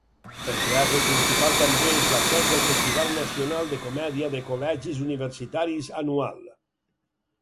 El teatre principal també és la seu del Festival Nacional de Comèdia de Col·legis Universitaris anual.